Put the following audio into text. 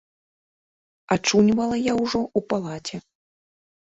Ачуньвала я ўжо ў палаце.